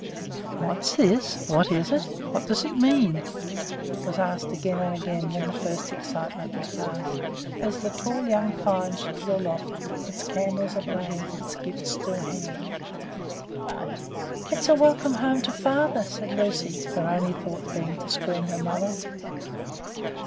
"What's this? What is it? What does this mean?" was asked again and again, when the first excitement was passed, as the tall young pine stood aloft, its candles ablaze, its gifts still hanging. "It's welcome home to father!" said Lucy, her only thought to screen her mother.